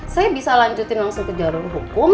saya bisa lanjutin langsung ke jarum hukum